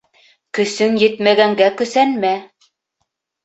Көсөң етмәгәнгә көсәнмә.